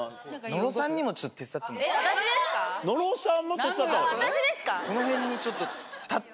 野呂さんも手伝った方がいい？